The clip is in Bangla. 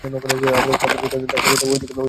তাদের কথায় এ দিকেই ইংগিত ছিল।